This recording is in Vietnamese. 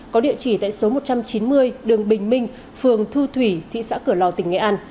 có địa chỉ tại số một trăm chín mươi đường bình minh phường thu thủy thị xã cửa lò tỉnh nghệ an